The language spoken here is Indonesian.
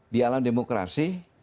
di alam demokrasi